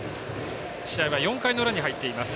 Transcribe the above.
試合は４回の裏に入っています。